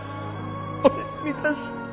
俺見たし。